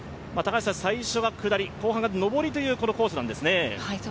最初は下り、後半は上りというコースなんですね。